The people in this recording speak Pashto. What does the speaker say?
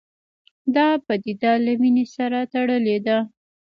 دا پدیده له وینې سره تړلې ده